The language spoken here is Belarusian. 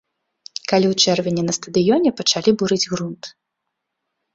Калі ў чэрвені на стадыёне пачалі бурыць грунт.